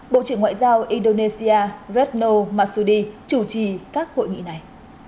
bộ trưởng ngoại giao indonesia retno masudi chủ trì các hội nghị này